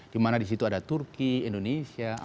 di mana di situ ada turki indonesia